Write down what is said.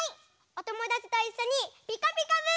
おともだちといっしょに「ピカピカブ！」